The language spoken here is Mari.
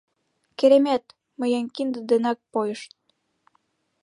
Керемет, мыйын кинде денак пойыш.